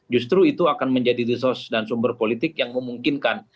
justru itu akan menjadi resource dan sumber politik yang memungkinkan